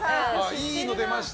いいの出ました。